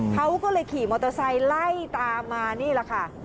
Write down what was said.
เขาก็เลยขี่มอเตอร์ไซค์ไล่ตามมานี่แหละค่ะ